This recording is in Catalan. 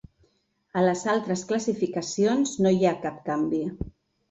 A les altres classificacions no hi ha cap canvi.